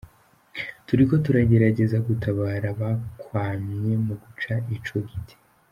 Turiko turagerageza gutabara abakwamye mu guca ico giti.